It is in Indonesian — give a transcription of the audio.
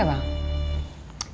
siapa lagi ya bang